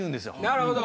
なるほど。